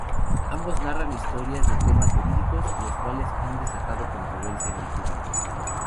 Ambos narran historias de temas verídicos, los cuales han desatado controversia en el público.